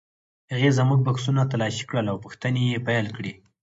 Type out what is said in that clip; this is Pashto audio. هغې زموږ بکسونه تالاشي کړل او پوښتنې یې پیل کړې.